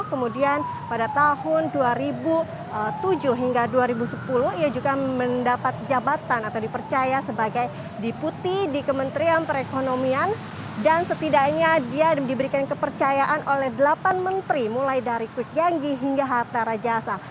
kemudian pada tahun dua ribu tujuh hingga dua ribu sepuluh ia juga mendapat jabatan atau dipercaya sebagai diputi di kementerian perekonomian dan setidaknya dia diberikan kepercayaan oleh delapan menteri mulai dari kwi kiangi hingga hatta rajasa